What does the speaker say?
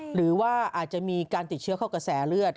หรือว่าอาจจะมีการติดเชื้อเข้ากระแสเลือด